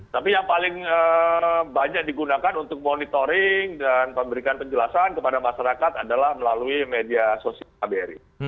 tapi yang paling banyak digunakan untuk monitoring dan memberikan penjelasan kepada masyarakat adalah melalui media sosial kbri